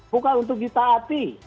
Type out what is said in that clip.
bukan untuk kita hati